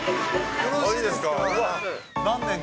よろしいですか？